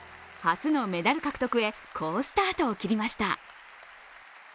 初のメダル獲得へ好スタートを切りました。